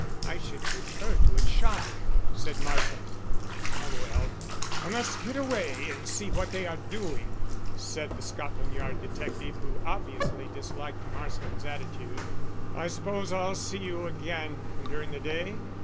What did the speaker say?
"I should prefer to have shot him," said Marsland. "Ah, well, I must get away and see what they are doing," said the Scotland Yard detective, who obviously disliked Marsland's attitude. "I suppose I'll see you again during the day?"